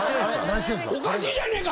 おかしいじゃねぇか！